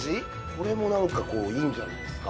これも何かいいんじゃないですか？